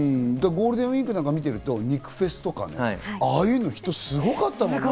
ゴールデンウイークなんか見てると、肉フェスとか人すごかったもんね。